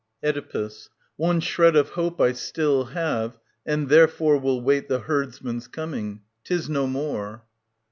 Oedipus. One shred of hope I still have, and therefore Will wait the herdsman's coming. 'Tis no more.